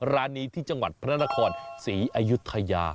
ร้านนี้ที่จังหวัดพระนครศรีอยุธยา